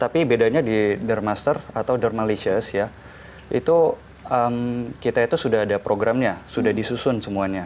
tapi bedanya di dermaster atau thermalicious ya itu kita itu sudah ada programnya sudah disusun semuanya